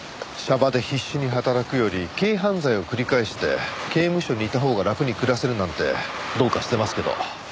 娑婆で必死に働くより軽犯罪を繰り返して刑務所にいたほうが楽に暮らせるなんてどうかしてますけど。